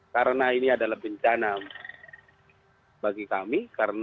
karena ini adalah bencana bagi kami